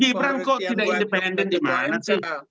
gibran kok tidak independen gimana sih